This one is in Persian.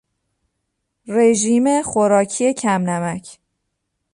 رژیم خوراکی کم نمک